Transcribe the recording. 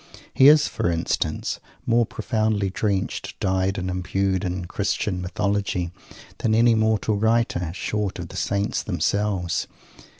He is, for instance, more profoundly drenched, dyed, and endued in "Christian Mythology" than any mortal writer, short of the Saints themselves.